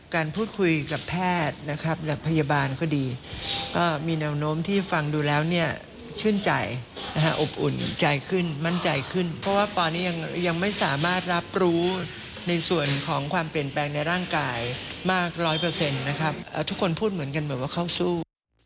การพูดคุยกับแพทย์นะครับและพยาบาลก็ดีก็มีแนวโน้มที่ฟังดูแล้วเนี่ยชื่นใจนะฮะอบอุ่นใจขึ้นมั่นใจขึ้นเพราะว่าตอนนี้ยังไม่สามารถรับรู้ในส่วนของความเปลี่ยนแปลงในร่างกายมากร้อยเปอร์เซ็นต์นะครับทุกคนพูดเหมือนกันแบบว่าเข้าสู้